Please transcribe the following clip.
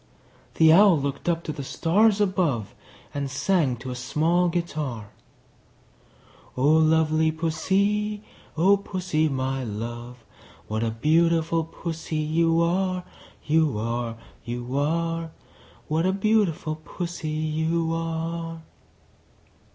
The Owl looked up to the stars above, And sang to a small guitar, "O lovely Pussy, O Pussy, my love, What a beautiful Pussy you are, You are, You are! What a beautiful Pussy you are!"